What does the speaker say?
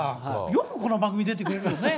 よくこの番組、出てくれるよね。